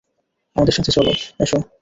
আমাদের সাথে এসো, চলো।